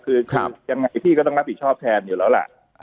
คือยังไงพี่ก็ต้องรับผิดชอบแทนอยู่แล้วล่ะ